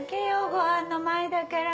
ごはんの前だから。